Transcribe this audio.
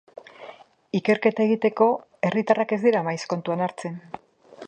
Ikerketa egiteko herritarrak ez dira maiz kontuan hartzen.